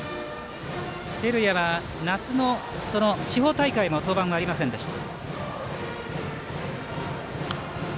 照屋は夏の地方大会も登板はありませんでした。